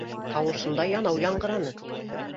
Тауышында янау яңғыраны